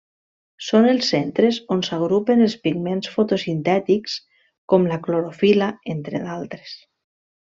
Són els centres on s'agrupen els pigments fotosintètics com la clorofil·la entre d'altres.